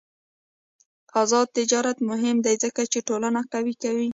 آزاد تجارت مهم دی ځکه چې ټولنه قوي کوي.